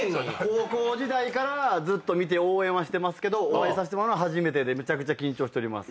高校時代からずっと見て応援はしてますけどお会いさせてもらうのは初めてでめちゃくちゃ緊張しております。